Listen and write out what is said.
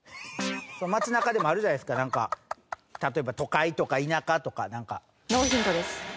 街中でもあるじゃないですかなんか例えば都会とか田舎とかなんか。